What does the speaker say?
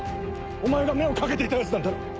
お前が目をかけていたヤツなんだろ？